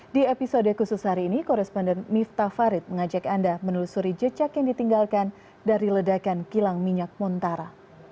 di episode khusus hari ini koresponden miftah farid mengajak anda menelusuri jejak yang ditinggalkan dari ledakan kilang minyak montara